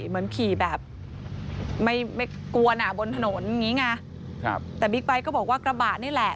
เหมือนขี่แบบไม่ไม่กลัวน่ะบนถนนอย่างงี้ไงครับแต่บิ๊กไบท์ก็บอกว่ากระบะนี่แหละ